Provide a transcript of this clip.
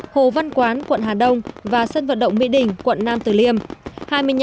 hồ văn quán quận hà đông và sân vật động mỹ đình quận nam từ liêm